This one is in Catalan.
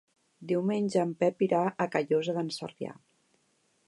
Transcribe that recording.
Diumenge en Pep irà a Callosa d'en Sarrià.